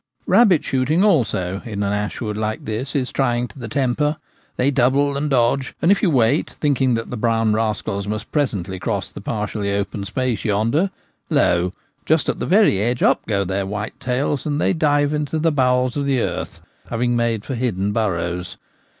Rabbit shooting, also, in an ash wood like this is trying to the temper ; they double and dodge, and if you wait, thinking that the brown rascals must presently cross the partially open space yonder, lo ! just at the very edge up go their white tails and they dive into the bowels of the earth, having made for hidden burrows.